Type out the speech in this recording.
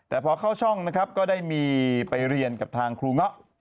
แต่พอเข้าช่องนะครับก็ได้มีไปเรียนกับทางครูเงาะ